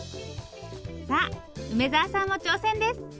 さあ梅沢さんも挑戦です！